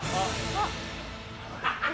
あっ。